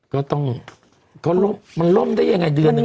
ก็ต้องเขามันล่มได้ยังไงเดือนนึง